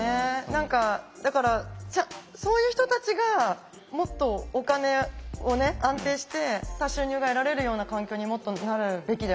何かだからそういう人たちがもっとお金をね安定した収入が得られるような環境にもっとなるべきだよなって思いますよね。